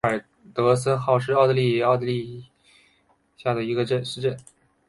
瓦尔德豪森是奥地利下奥地利州茨韦特尔县的一个市镇。